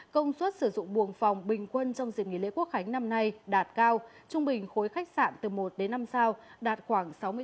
công suất sử dụng buồng phòng bình quân trong dịp nghỉ lễ quốc khánh năm nay đạt cao trung bình khối khách sạn từ một đến năm sao đạt khoảng sáu mươi